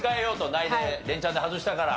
ないで連チャンで外したから。